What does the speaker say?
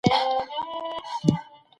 ما د خپلي حافظې د ښه کولو لپاره تمرین وکړ.